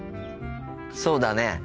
そうだね。